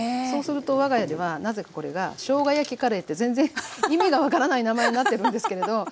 そうすると我が家ではなぜかこれが「しょうが焼きカレー」って全然意味が分からない名前になってるんですけれど。